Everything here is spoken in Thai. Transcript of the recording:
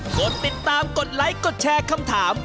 กดติดตามกดไลค์กดแชร์คำถาม